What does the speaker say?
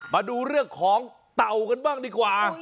มาดูเรื่องของเต่ากันบ้างดีกว่า